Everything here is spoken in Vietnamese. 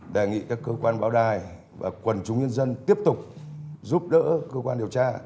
đề nghị các cơ quan báo đài và quần chúng nhân dân tiếp tục giúp đỡ cơ quan điều tra